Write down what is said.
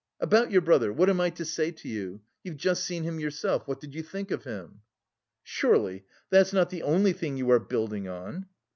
About your brother, what am I to say to you? You've just seen him yourself. What did you think of him?" "Surely that's not the only thing you are building on?"